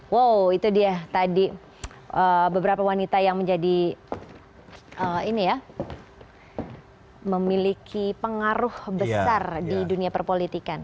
wow itu dia tadi beberapa wanita yang menjadi memiliki pengaruh besar di dunia perpolitikan